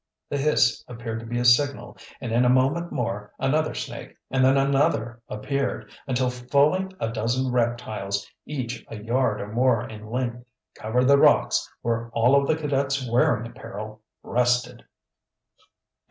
The hiss appeared to be a signal, and in a moment more another snake and then another appeared, until fully a dozen reptiles each a yard or more in length covered the rocks where all of the cadets' wearing apparel rested!